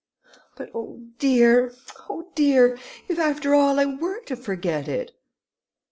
"But, oh dear! oh dear! if after all I were to forget it!"